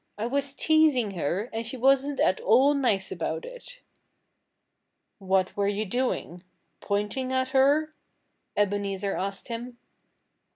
"I was teasing her and she wasn't at all nice about it." "What were you doing pointing at her?" Ebenezer asked him.